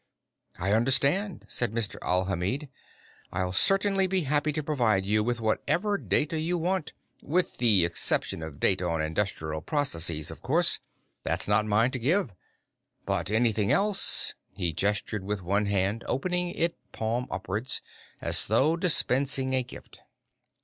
"I understand," said Alhamid. "I'll certainly be happy to provide you with whatever data you want with the exception of data on industrial processes, of course. That's not mine to give. But anything else " He gestured with one hand, opening it palm upwards, as though dispensing a gift.